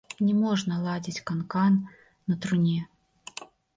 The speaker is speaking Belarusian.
Не можна ладзіць канкан на труне.